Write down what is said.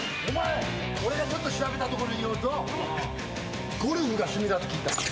お前俺がちょっと調べたところによるとゴルフが趣味だって聞いた。